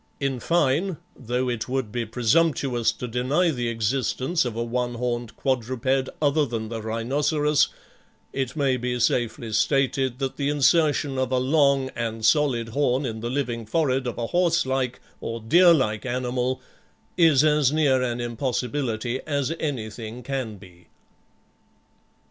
In fine, though it would be presumptuous to deny the existence of a one horned quadruped other than the rhinoceros, it may be safely stated that the insertion of a long and solid horn in the living forehead of a horse like or deer like animal is as near an impossibility as anything can be.